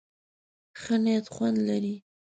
ښه نيت خوند لري.